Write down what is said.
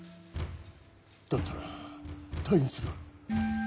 だったら退院する。